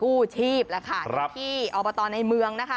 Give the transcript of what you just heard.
กู้ชีพแหละค่ะที่อบตในเมืองนะคะ